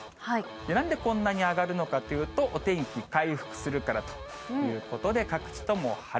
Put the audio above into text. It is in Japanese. なんでこんなに上がるのかっていうと、お天気回復するからということで、各地とも晴れ。